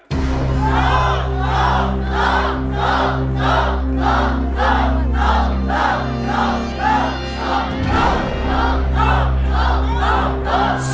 สู้